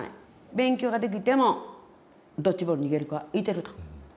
勉強ができてもドッジボール逃げる子がいてると。